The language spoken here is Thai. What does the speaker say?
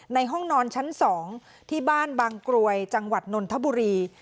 ห้องนอนชั้น๒ที่บ้านบางกรวยจังหวัดนนทบุรี